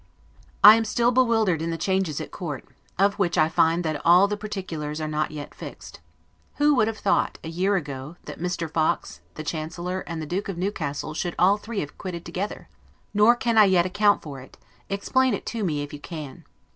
I am still bewildered in the changes at Court, of which I find that all the particulars are not yet fixed. Who would have thought, a year ago, that Mr. Fox, the Chancellor, and the Duke of Newcastle, should all three have quitted together? Nor can I yet account for it; explain it to me if you can.